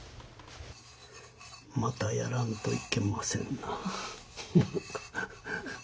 またやらんといけませんな。